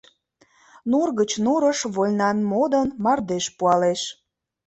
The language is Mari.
Нур гыч нурыш, вольнан модын, мардеж пуалеш.